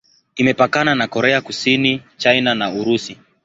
Imepakana na Korea Kusini, China na Urusi.